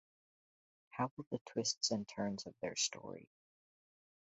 How will the twists and turns of their story?